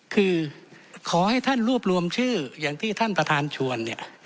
คือขอให้ท่านรวบรวมชื่ออย่างที่ท่านประธานชวนเนี่ย